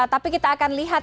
tapi kita akan lihat